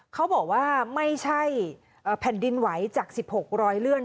เขาบอกว่าไม่ใช่แผ่นดินไหวจาก๑๖รอยเลื่อน